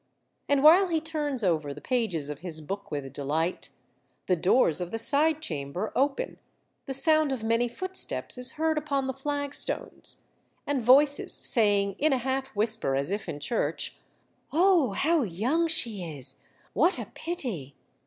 And while he turns over the pages of his book with delight, the doors of the side chamber open, the sound of many footsteps is heard upon the flagstones, and voices saying in a half whisper, as if in church, —" Oh ! how young she is ! What a pity